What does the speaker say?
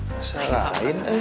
masalah lain eh